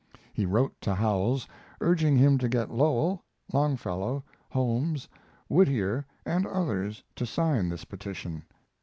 He wrote to Howells, urging him to get Lowell, Longfellow, Holmes, Whittier, and others to sign this petition.